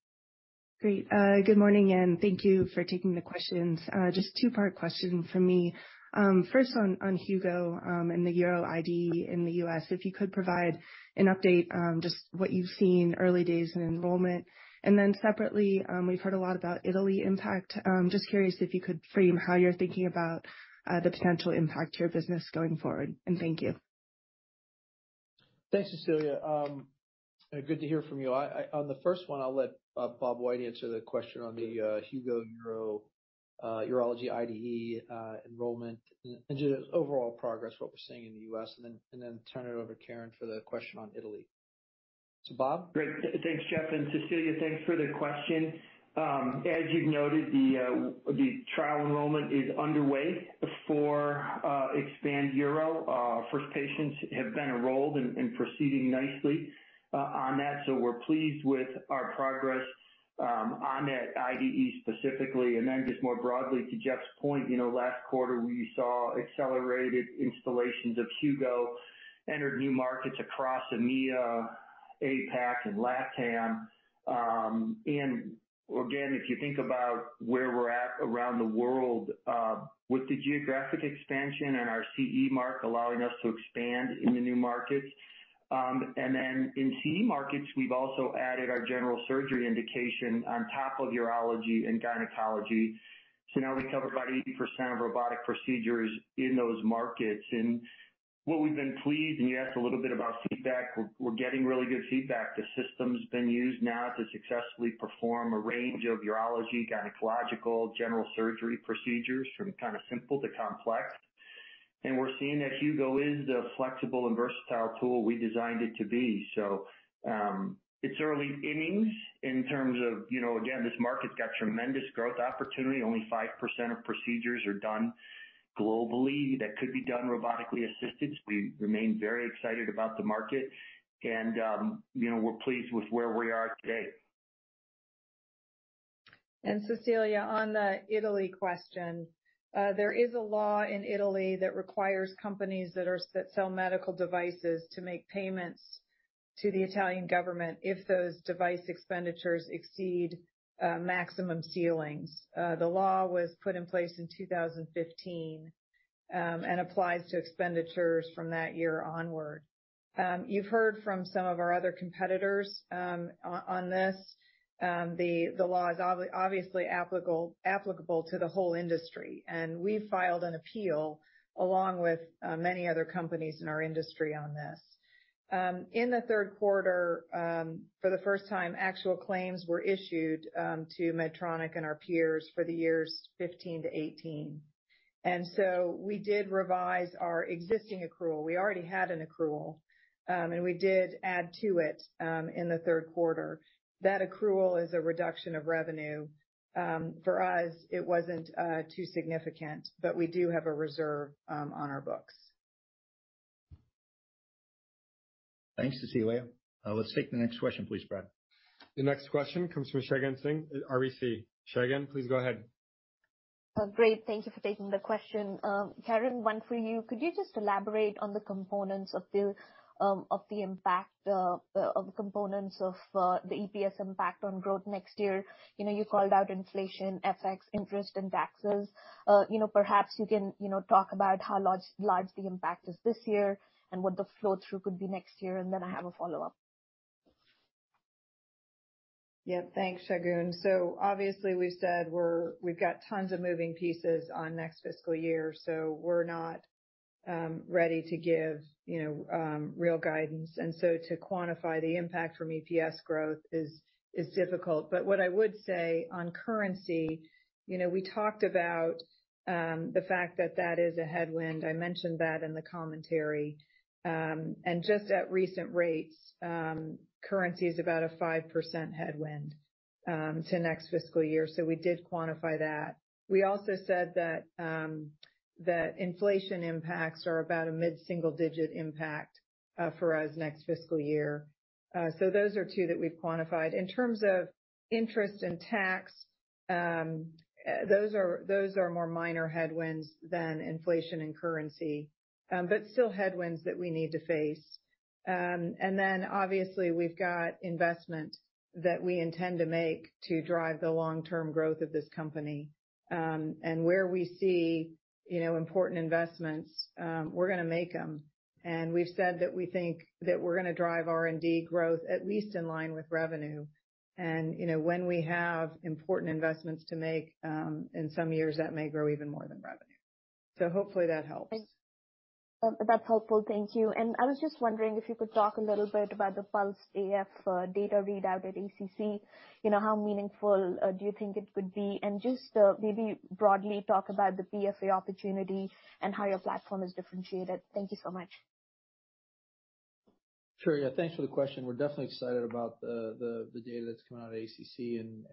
Great. Good morning, and thank you for taking the questions. Just two-part question from me. First on Hugo, and the Uro IDE in the U.S. If you could provide an update, just what you've seen early days in enrollment. Separately, we've heard a lot about Italy impact. Just curious if you could frame how you're thinking about the potential impact to your business going forward. Thank you. Thanks, Cecilia. Good to hear from you. On the first one, I'll let Bob White answer the question on the Hugo urology IDE enrollment and just overall progress, what we're seeing in the U.S., and then turn it over to Karen for the question on Italy. To Bob? Great. Thanks, Geoff. Cecilia, thanks for the question. As you've noted, the trial enrollment is underway for Expand URO. First patients have been enrolled and proceeding nicely on that. So we're pleased with our progress on that IDE specifically. Just more broadly, to Geoff's point, you know, last quarter we saw accelerated installations of Hugo, entered new markets across EMEA, APAC, and LATAM. Again, if you think about where we're at around the world, with the geographic expansion and our CE mark allowing us to expand in the new markets. Then in CE markets, we've also added our general surgery indication on top of urology and gynecology. So now we cover about 80% of robotic procedures in those markets. What we've been pleased, and you asked a little bit about feedback, we're getting really good feedback. The system's been used now to successfully perform a range of urology, gynecological, general surgery procedures from kind of simple to complex. We're seeing that Hugo is the flexible and versatile tool we designed it to be. It's early innings in terms of, you know, again, this market's got tremendous growth opportunity. Only 5% of procedures are done globally that could be done robotically assisted. We remain very excited about the market and, you know, we're pleased with where we are today. Cecilia, on the Italy question, there is a law in Italy that requires companies that sell medical devices to make payments to the Italian government if those device expenditures exceed maximum ceilings. The law was put in place in 2015, applies to expenditures from that year onward. You've heard from some of our other competitors on this. The law is obviously applicable to the whole industry. We filed an appeal along with many other companies in our industry on this. In the third quarter, for the first time, actual claims were issued to Medtronic and our peers for the years 15 to 18. We did revise our existing accrual. We already had an accrual, we did add to it in the third quarter. That accrual is a reduction of revenue. For us, it wasn't too significant, but we do have a reserve on our books. Thanks, Cecilia. Let's take the next question, please, Brad. The next question comes from Shagun Singh at RBC. Shagun, please go ahead. Great. Thank you for taking the question. Karen, one for you. Could you just elaborate on the components of the impact of the components of the EPS impact on growth next year? You know, you called out inflation, FX, interest, and taxes. You know, perhaps you can, you know, talk about how large the impact is this year and what the flow-through could be next year. Then I have a follow-up. Yeah. Thanks, Shagun. Obviously, we said we've got tons of moving pieces on next fiscal year, so we're not ready to give, you know, real guidance. To quantify the impact from EPS growth is difficult. What I would say on currency, you know, we talked about the fact that that is a headwind. I mentioned that in the commentary. Just at recent rates, currency is about a 5% headwind to next fiscal year. We did quantify that. We also said that inflation impacts are about a mid-single digit impact for us next fiscal year. Those are two that we've quantified. In terms of interest and tax, those are more minor headwinds than inflation and currency. Still headwinds that we need to face. Obviously, we've got investment that we intend to make to drive the long-term growth of this company. Where we see, you know, important investments, we're gonna make them. We've said that we think that we're gonna drive R&D growth at least in line with revenue. You know, when we have important investments to make, in some years that may grow even more than revenue. Hopefully that helps. That's helpful. Thank you. I was just wondering if you could talk a little bit about the PULSED AF data readout at ACC. You know, how meaningful do you think it could be? Just maybe broadly talk about the PFA opportunity and how your platform is differentiated. Thank you so much. Sure. Yeah, thanks for the question. We're definitely excited about the data that's coming out of ACC and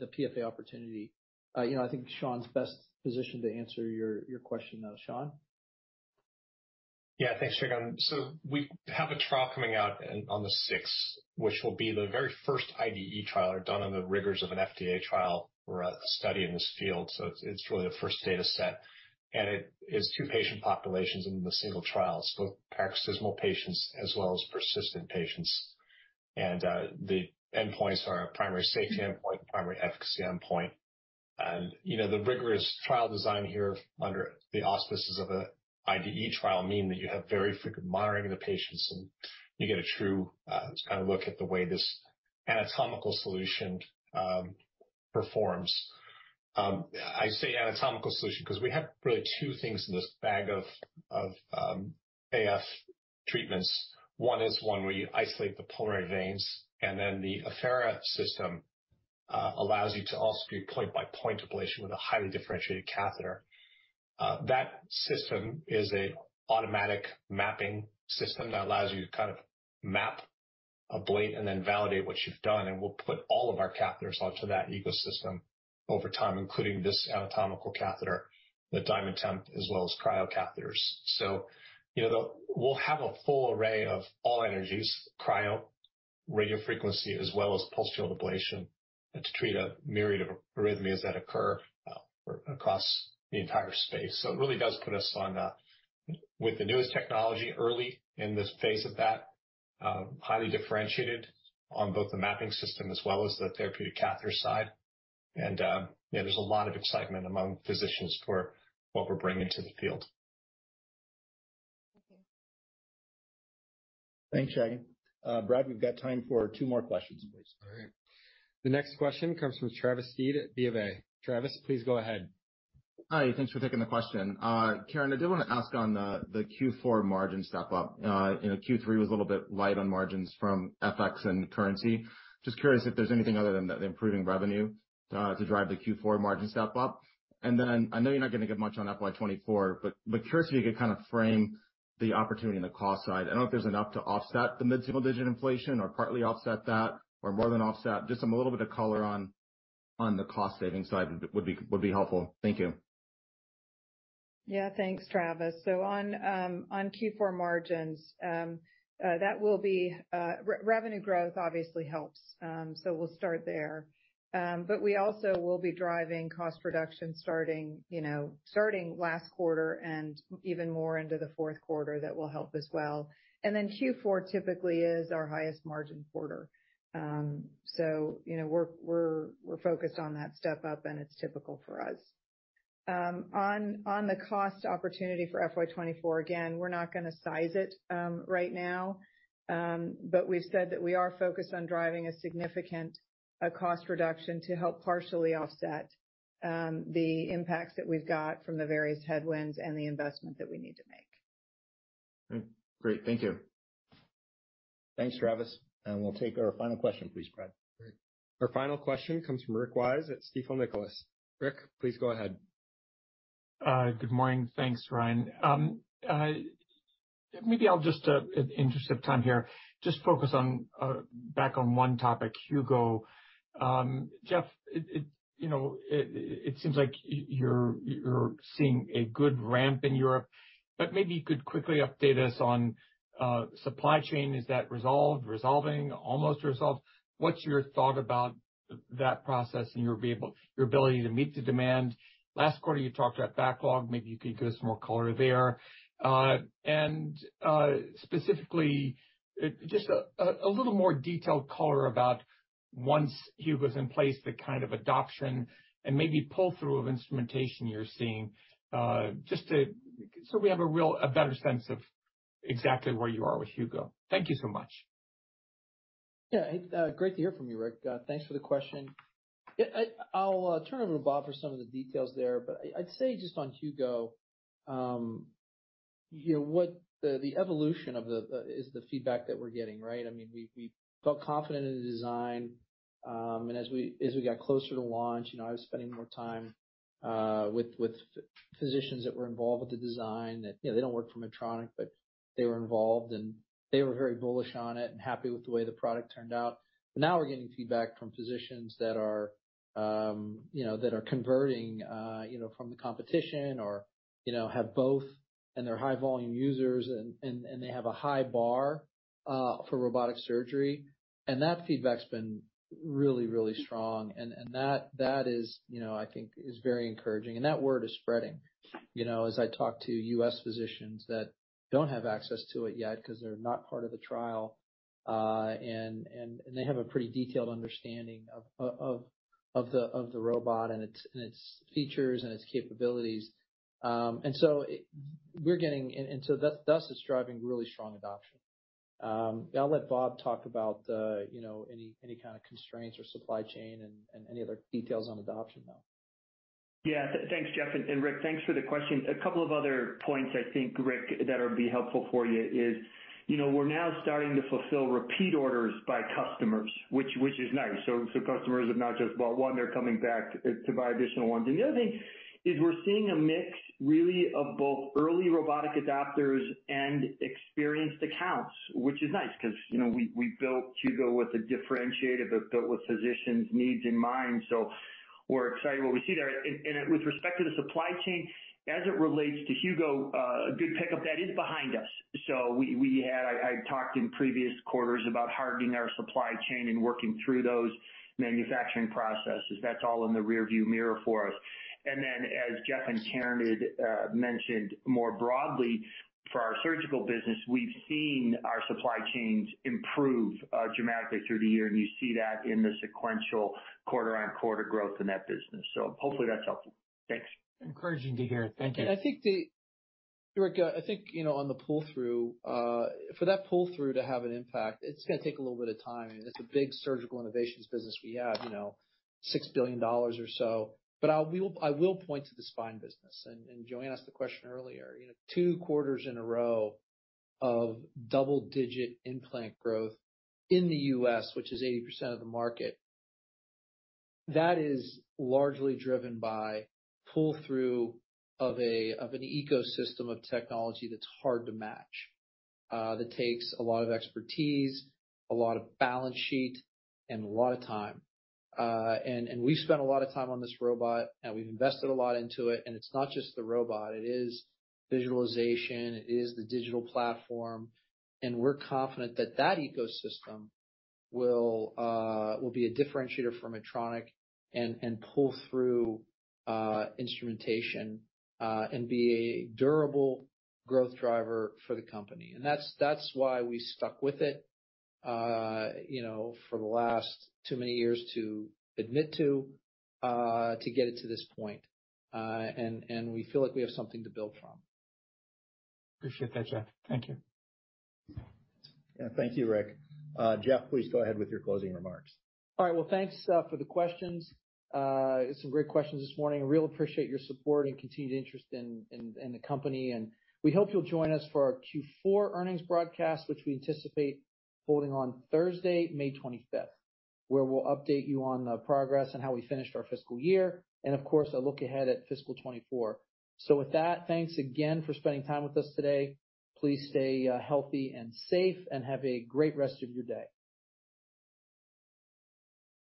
the PFA opportunity. You know, I think Sean's best positioned to answer your question, though. Sean? Yeah. Thanks, Shagun. We have a trial coming out on the sixth, which will be the very first IDE trial or done in the rigors of an FDA trial or a study in this field. It's really the first data set, and it is two patient populations in the single trial. Paroxysmal patients as well as persistent patients. The endpoints are a primary safety endpoint, primary efficacy endpoint. You know, the rigorous trial design here under the auspices of a IDE trial mean that you have very frequent monitoring of the patients, and you get a true kind of look at the way this anatomical solution performs. I say anatomical solution because we have really two things in this bag of AF treatments. One is one where you isolate the pulmonary veins, and then the Affera system allows you to also do point-by-point ablation with a highly differentiated catheter. That system is a automatic mapping system that allows you to kind of map a blade and then validate what you've done, we'll put all of our catheters onto that ecosystem over time, including this anatomical catheter, the DiamondTemp, as well as cryo catheters. you know, we'll have a full array of all energies, cryo, radiofrequency, as well as pulsatile ablation to treat a myriad of arrhythmias that occur across the entire space. It really does put us on with the newest technology early in this phase of that highly differentiated on both the mapping system as well as the therapeutic catheter side. Yeah, there's a lot of excitement among physicians for what we're bringing to the field. Thank you. Thanks, Shagun. Brad, we've got time for two more questions, please. All right. The next question comes from Travis Steed at BofA. Travis, please go ahead. Hi. Thanks for taking the question. Karen, I did wanna ask on the Q4 margin step up. you know, Q3 was a little bit light on margins from FX and currency. Just curious if there's anything other than the improving revenue to drive the Q4 margin step up. I know you're not gonna give much on FY 2024, but curious if you could kinda frame the opportunity on the cost side. I don't know if there's enough to offset the mid-single digit inflation or partly offset that or more than offset. Just a little bit of color on the cost saving side would be helpful. Thank you. Yeah. Thanks, Travis. On Q4 margins, that will be revenue growth obviously helps, we'll start there. We also will be driving cost reduction starting, you know, starting last quarter and even more into the fourth quarter that will help as well. Q4 typically is our highest margin quarter. You know, we're focused on that step up, and it's typical for us. On the cost opportunity for FY 2024, again, we're not gonna size it right now. We've said that we are focused on driving a significant cost reduction to help partially offset the impacts that we've got from the various headwinds and the investment that we need to make. Great. Thank you. Thanks, Travis. We'll take our final question, please, Brad. Great. Our final question comes from Rick Wise at Stifel Nicolaus. Rick, please go ahead. Good morning. Thanks, Ryan. Maybe I'll just in interest of time here, just focus on back on one topic, Hugo. Geoff, you know, it seems like you're seeing a good ramp in Europe, but maybe you could quickly update us on supply chain. Is that resolved, resolving, almost resolved? What's your thought about that process and your ability to meet the demand? Last quarter, you talked about backlog. Maybe you could give us more color there. Specifically, just a little more detailed color about once Hugo's in place, the kind of adoption and maybe pull-through of instrumentation you're seeing, so we have a real, a better sense of exactly where you are with Hugo. Thank you so much. Yeah. It, great to hear from you, Rick. Thanks for the question. Yeah. I'll turn it over to Bob for some of the details there, but I'd say just on Hugo, you know, what the evolution is the feedback that we're getting, right? I mean, we felt confident in the design, and as we got closer to launch, you know, I was spending more time with physicians that were involved with the design that, you know, they don't work for Medtronic, but they were involved, and they were very bullish on it and happy with the way the product turned out. Now we're getting feedback from physicians that are, you know, that are converting, you know, from the competition or, you know, have both and they're high volume users and they have a high bar for robotic surgery. That feedback's been really strong. That is, you know, I think is very encouraging. That word is spreading. You know, as I talk to U.S. physicians that don't have access to it yet 'cause they're not part of the trial, and they have a pretty detailed understanding of the robot and its features and its capabilities. So we're getting and so that's, thus it's driving really strong adoption. I'll let Bob talk about, you know, any kind of constraints or supply chain and any other details on adoption, though. Thanks, Geoff, and Rick, thanks for the question. A couple of other points I think, Rick, that'll be helpful for you is, you know, we're now starting to fulfill repeat orders by customers, which is nice. Customers have not just bought one, they're coming back to buy additional ones. The other thing is we're seeing a mix really of both early robotic adopters and experienced accounts, which is nice 'cause, you know, we built Hugo with a differentiator, built with physicians' needs in mind, so we're excited what we see there. With respect to the supply chain, as it relates to Hugo, a good pickup that is behind us. I talked in previous quarters about hardening our supply chain and working through those manufacturing processes. That's all in the rearview mirror for us. As Geoff and Karen had mentioned more broadly, for our surgical business, we've seen our supply chains improve dramatically through the year, and you see that in the sequential quarter on quarter growth in that business. Hopefully that's helpful. Thanks. Encouraging to hear. Thank you. I think Rick, I think, you know, on the pull-through, for that pull-through to have an impact, it's gonna take a little bit of time. It's a big surgical innovations business we have, you know, $6 billion or so. I will point to the spine business. Joanne asked the question earlier. You know, two quarters in a row of double-digit implant growth in the U.S., which is 80% of the market, that is largely driven by pull-through of an ecosystem of technology that's hard to match, that takes a lot of expertise, a lot of balance sheet, and a lot of time. We've spent a lot of time on this robot, and we've invested a lot into it, and it's not just the robot. It is visualization. It is the digital platform. We're confident that ecosystem will be a differentiator for Medtronic and pull through instrumentation and be a durable growth driver for the company. That's why we stuck with it, you know, for the last too many years to admit to to get it to this point. And we feel like we have something to build from. Appreciate that, Geoff. Thank you. Yeah. Thank you, Rick. Geoff, please go ahead with your closing remarks. All right. Well, thanks for the questions. Some great questions this morning. Really appreciate your support and continued interest in the company. We hope you'll join us for our Q4 earnings broadcast, which we anticipate holding on Thursday, May 25th, where we'll update you on the progress and how we finished our fiscal year and, of course, a look ahead at fiscal 2024. With that, thanks again for spending time with us today. Please stay healthy and safe, and have a great rest of your day.